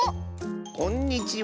こんにちは。